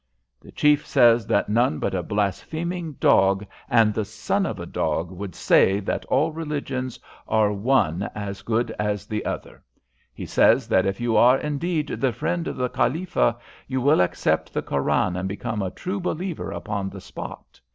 "The chief says that none but a blaspheming dog and the son of a dog would say that all religions are one as good as the other. He says that if you are indeed the friend of the Khalifa, you will accept the Koran and become a true believer upon the spot.